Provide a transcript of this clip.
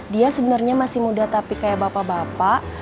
dia sebenarnya masih muda tapi kayak bapak bapak